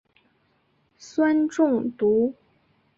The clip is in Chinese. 酸中毒。